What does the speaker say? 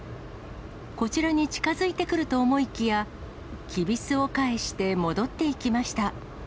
こちらに近づいてくると思いきや、きびすを返して戻っていきました。